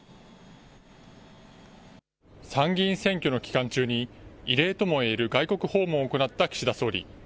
参議院選挙の期間中に異例ともいえる外国訪問を行った岸田総理。